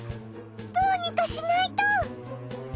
どうにかしないと。